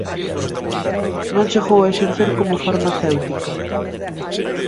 Non chegou a exercer como farmacéutica.